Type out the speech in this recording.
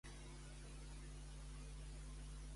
"Capità Amèrica", la tornaran a emetre dijous?